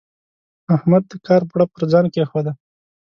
احمد د کار پړه پر ځان کېښوده.